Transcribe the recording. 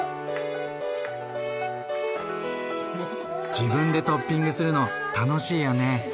自分でトッピングするの楽しいよね。